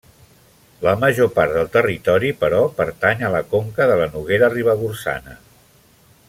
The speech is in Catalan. La major part del territori però pertany a la conca de la Noguera Ribagorçana.